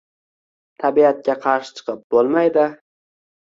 Tabiatga qarshi chiqib bo‘lmaydi.